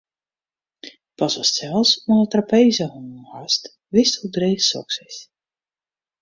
Pas ast sels oan 'e trapeze hongen hast, witst hoe dreech soks is.